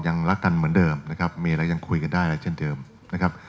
ยังรักกันเหมือนเดิมนะครับมีอะไรยังคุยกันได้อะไรเช่นเดิมนะครับ